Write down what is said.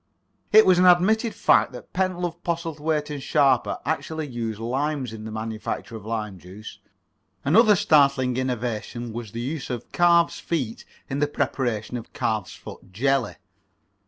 It was an admitted fact that Pentlove, Postlethwaite and Sharper actually used limes in the manufacture of lime juice. Another startling innovation was the use of calves' feet in the preparation of calf's foot jelly.